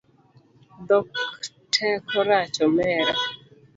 Dhok teko rach omera